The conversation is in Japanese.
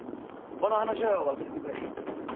この話は忘れてくれ。